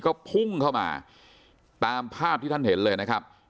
ก็พุ่งเข้ามาตามภาพที่ท่านเห็นเลยนะครับ